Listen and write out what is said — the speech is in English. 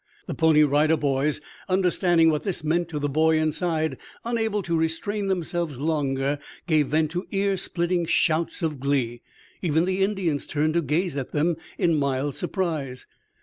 The Pony Rider Boys, understanding what this meant to the boy inside, unable to restrain themselves longer, gave vent to ear splitting shouts of glee. Even the Indians turned to gaze at them in mild surprise.